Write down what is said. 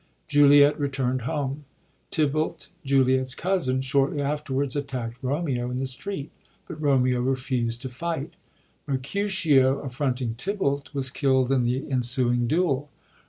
Juliet re tumd home. Tybalt^ Juliet's cousin, shortly afterwards attackt Romeo in the street, but Romeo refused to fight. Mercutio, affronting Tybalt, was killd in the ensuing duel.